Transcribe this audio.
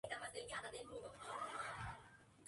Su humildad y pobreza fueron notables.